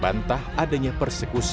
bin menyebutkan kemampuan untuk mengeksekusi